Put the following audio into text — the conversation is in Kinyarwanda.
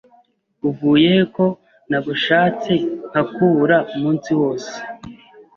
uvuyehe ko nagushatse nka kubura umunsi wose